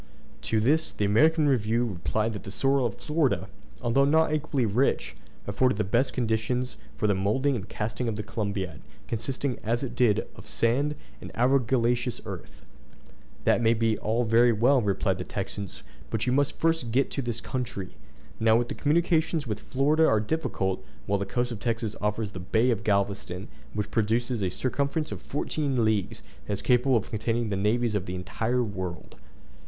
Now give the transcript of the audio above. To this the American Review replied that the soil of Florida, although not equally rich, afforded the best conditions for the moulding and casting of the Columbiad, consisting as it did of sand and argillaceous earth. "That may be all very well," replied the Texans; "but you must first get to this country. Now the communications with Florida are difficult, while the coast of Texas offers the bay of Galveston, which possesses a circumference of fourteen leagues, and is capable of containing the navies of the entire world!"